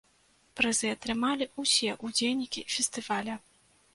Прызы атрымалі ўсе ўдзельнікі фестываля.